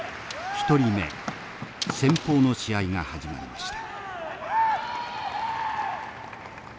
１人目先鋒の試合が始まりました。